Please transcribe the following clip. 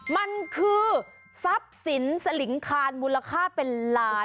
มันคือทรัพย์สินสลิงคานมูลค่าเป็นล้าน